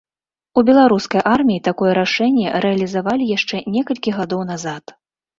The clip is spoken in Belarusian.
У беларускай арміі такое рашэнне рэалізавалі яшчэ некалькі гадоў назад.